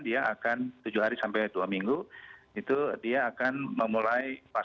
dia akan tujuh hari sampai dua minggu itu dia akan memulai vaksinasi